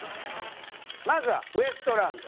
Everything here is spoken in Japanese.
まずはウエストランド。